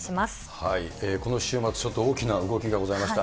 この週末、ちょっと大きな動きがございました。